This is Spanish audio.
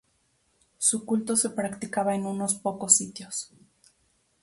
Su culto se practicaba en unos pocos sitios.